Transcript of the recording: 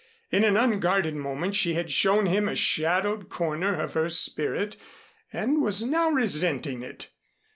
In an unguarded moment she had shown him a shadowed corner of her spirit and was now resenting it.